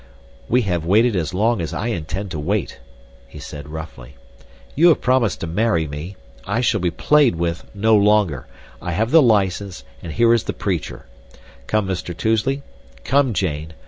"We have waited as long as I intend to wait," he said roughly. "You have promised to marry me. I shall be played with no longer. I have the license and here is the preacher. Come Mr. Tousley; come Jane.